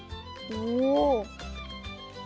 おお。